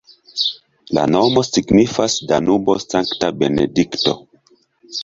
La nomo signifas Danubo-Sankta Benedikto.